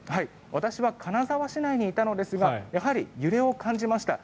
私は金沢市内にいたのですがやはり揺れを感じました。